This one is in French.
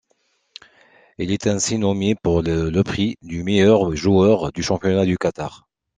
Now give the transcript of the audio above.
Il est ainsi nommé pour le prix du meilleur joueur du championnat du Qatar.